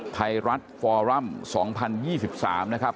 ไทยรัฐฟอรัม๒๐๒๓นะครับ